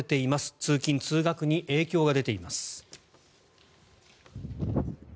通勤・通学に影響が出ています。